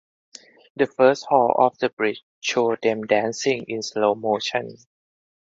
The first hall of the bridge shows them dancing in slow motion.